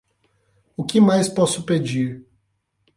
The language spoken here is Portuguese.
O que mais posso pedir?